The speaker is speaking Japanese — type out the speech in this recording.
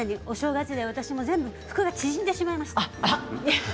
お正月で私は全部服が全部縮んでしまいました。